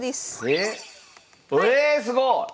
えすごい！